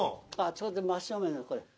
ちょうど真正面これ。